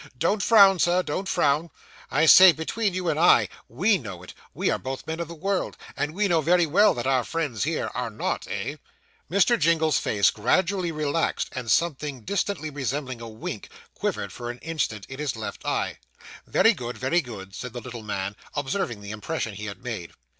Don't frown, Sir, don't frown; I say, between you and I, we know it. We are both men of the world, and WE know very well that our friends here, are not eh?' Mr. Jingle's face gradually relaxed; and something distantly resembling a wink quivered for an instant in his left eye. 'Very good, very good,' said the little man, observing the impression he had made.